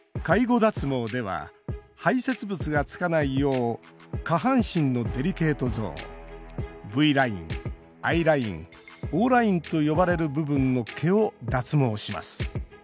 脱毛では排泄物がつかないよう下半身のデリケートゾーンＶライン、ＩラインＯラインと呼ばれる部分の毛を脱毛します。